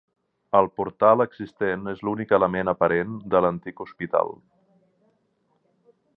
El portal existent és l'únic element aparent de l'antic hospital.